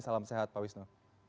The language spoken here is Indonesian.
salam sehat pak wisnu